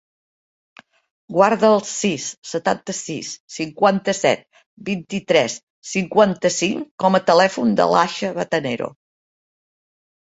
Guarda el sis, setanta-sis, cinquanta-set, vint-i-tres, cinquanta-cinc com a telèfon de l'Aixa Batanero.